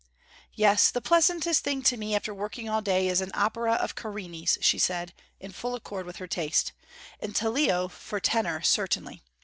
'Yes, the pleasantest thing to me after working all day is an opera of Carini's,' she said, in full accord with her taste, 'and Tellio for tenor, certainly.'